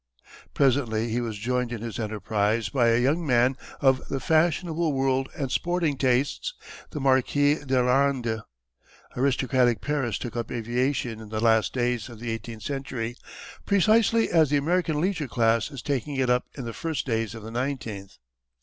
Presently he was joined in his enterprise by a young man of the fashionable world and sporting tastes, the Marquis d'Arlandes. Aristocratic Paris took up aviation in the last days of the eighteenth century, precisely as the American leisure class is taking it up in the first days of the twentieth.